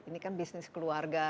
ini kan bisnis keluarga